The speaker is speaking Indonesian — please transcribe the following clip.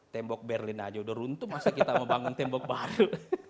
tembok berlin aja udah runtuh masa kita mau bangun tembok baru